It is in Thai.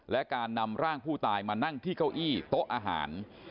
และการนำร่างผู้ตายมานั่งที่เก้าอี้โต๊ะอาหาร